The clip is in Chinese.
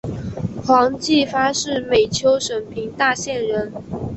黄晋发是美湫省平大县人。